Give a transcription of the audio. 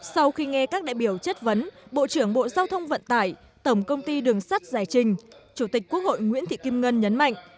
sau khi nghe các đại biểu chất vấn bộ trưởng bộ giao thông vận tải tổng công ty đường sắt giải trình chủ tịch quốc hội nguyễn thị kim ngân nhấn mạnh